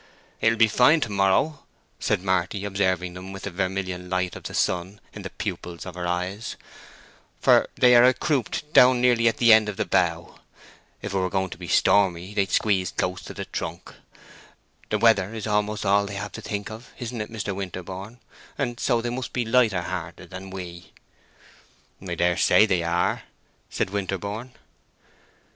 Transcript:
"It will be fine to morrow," said Marty, observing them with the vermilion light of the sun in the pupils of her eyes, "for they are a croupied down nearly at the end of the bough. If it were going to be stormy they'd squeeze close to the trunk. The weather is almost all they have to think of, isn't it, Mr. Winterborne? and so they must be lighter hearted than we." "I dare say they are," said Winterborne.